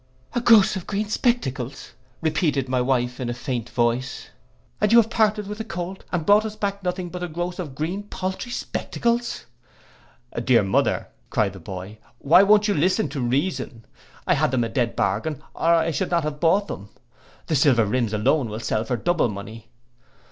'—'A groce of green spectacles!' repeated my wife in a faint voice. 'And you have parted with the Colt, and brought us back nothing but a groce of green paltry spectacles!'—'Dear mother,' cried the boy, 'why won't you listen to reason? I had them a dead bargain, or I should not have bought them. The silver rims alone will sell for double money.